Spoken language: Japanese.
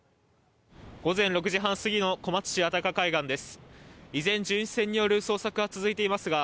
午前６時半過ぎの小松市安宅海岸です。